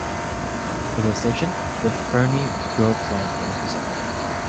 North of the station, the Ferny Grove line branches off.